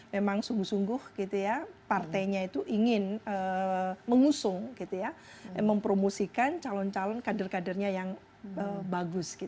memang sungguh sungguh gitu ya partainya itu ingin mengusung mempromosikan calon calon kader kadernya yang bagus